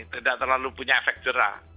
tidak terlalu punya efek jerah